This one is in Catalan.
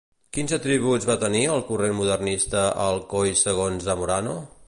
Quins atributs va tenir el corrent modernista a Alcoi segons Zamorano?